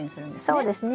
そうですね。